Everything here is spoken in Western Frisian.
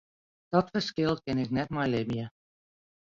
Dat ferskil kin ik net mei libje.